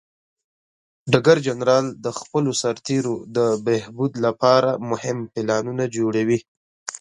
ډګر جنرال د خپلو سرتیرو د بهبود لپاره مهم پلانونه جوړوي.